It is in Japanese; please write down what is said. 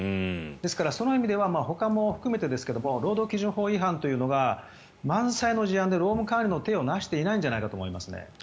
ですからその意味ではほかも含めてですが労働基準法違反というのが満載の事案で労務管理の体を成していないんじゃないかと思いますね。